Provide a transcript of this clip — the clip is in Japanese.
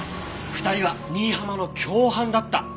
２人は新浜の共犯だった。